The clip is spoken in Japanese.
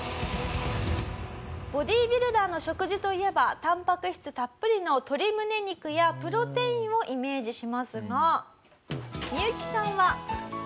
「ボディビルダーの食事といえばタンパク質たっぷりの鶏むね肉やプロテインをイメージしますがミユキさんは」